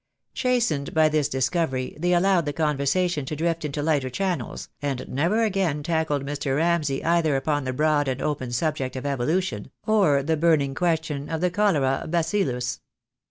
Chastened by this dis covery, they allowed the conversation to drift into lighter channels, and never again tackled Mr. Ramsay either upon the broad and open subject of evolution, or the burning question of the cholera bacillus.